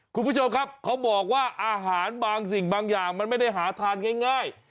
คุณผู้ชมครับเขาบอกว่าอาหารบางสิ่งบางอย่างมันไม่ได้หาทานง่าย